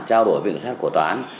trao đổi vịnh sát của tòa án